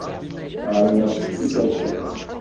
Tεelmeḍ d tikerkas.